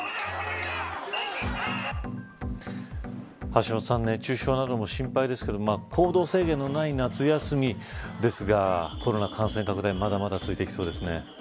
橋下さん熱中症なども心配ですけど行動制限のない夏休みですがコロナ感染拡大まだまだ続ていきそうですね。